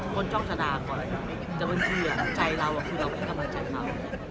คนจ้องจดาพอแล้วจะเวินที่เหลือใจเราคือเราไม่ให้กำลังใจเขา